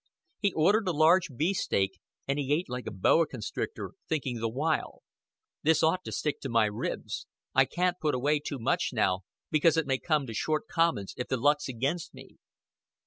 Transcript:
He ordered a large beef steak; and he ate like a boa constrictor, thinking the while: "This ought to stick to my ribs. I can't put away too much now, because it may come to short commons if the luck's against me."